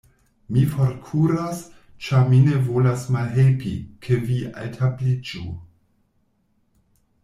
Mi forkuras; ĉar mi ne volas malhelpi, ke vi altabliĝu.